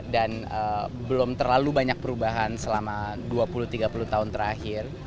dan belum terlalu banyak perubahan selama dua puluh tiga puluh tahun terakhir